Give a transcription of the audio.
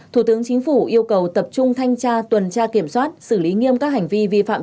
thủ tướng chính phủ yêu cầu tập trung thanh tra tuần tra kiểm soát xử lý nghiêm các hành vi vi phạm